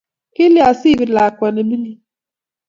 Kilyan siibir lakwa ne mining?